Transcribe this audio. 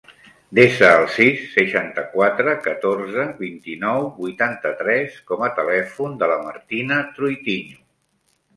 Desa el sis, seixanta-quatre, catorze, vint-i-nou, vuitanta-tres com a telèfon de la Martina Troitiño.